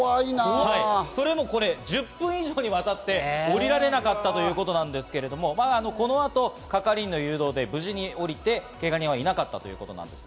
それもこれ、１０分以上にわたって降りられなかったということなんですけれども、この後、係員の誘導で無事に降りて、けが人はいなかったということなんです。